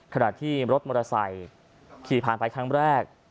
ขณะที่รถมอเตอร์ไซค์ขี่ผ่านไปครั้งแรก